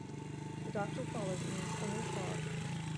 The doctor followed in his own car.